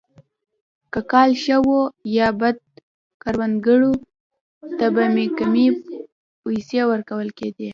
که کال ښه وو یا بد کروندګرو ته به کمې پیسې ورکول کېدې.